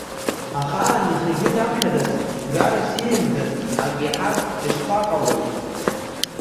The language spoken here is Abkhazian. Ахаан ихы-игәы иҭамшәаӡац, гәҩарас иимкӡац акы иаҳар дышԥаҟалои?